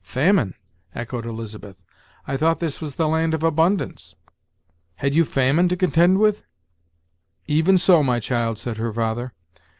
"Famine!" echoed Elizabeth; "I thought this was the land of abundance! Had you famine to contend with?" "Even so, my child," said her father.